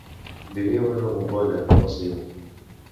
Viviu en una bombolla, els diu.